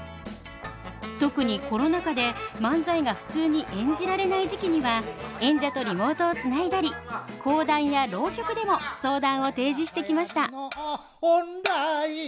特にコロナ禍で漫才が普通に演じられない時期には演者とリモートをつないだり講談や浪曲でも相談を提示してきました